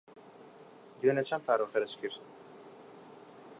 دوێنێ چەند پارەت خەرج کرد؟